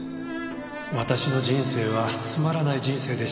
「私の人生はつまらない人生でした」